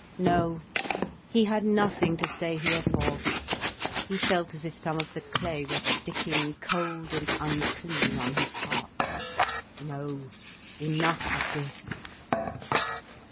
No, he had nothing to stay here for. He felt as if some of the clay were sticking cold and unclean, on his heart. No, enough of this.